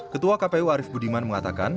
ketua kpu arief budiman mengatakan